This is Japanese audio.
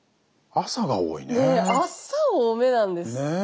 ねっ朝多めなんですね